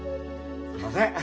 すんません。